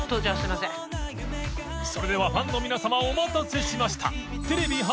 それではファンの皆さまお待たせしました））